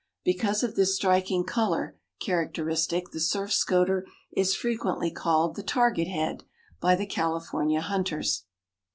Because of this striking color characteristic the Surf Scoter is frequently called the Target Head, by the California hunters.